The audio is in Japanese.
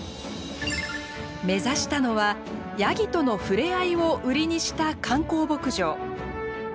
目指したのはヤギとの触れ合いを売りにした観光牧場。